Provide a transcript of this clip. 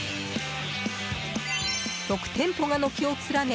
６店舗が軒を連ね